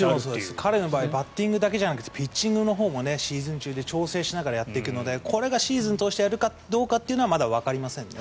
彼の場合バッティングだけじゃなくてピッチングのほうもシーズン中で調整しながらやっていくのでこれがシーズン通してやるかどうかというのはまだわかりませんね。